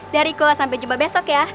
dari goa sampai jumpa besok ya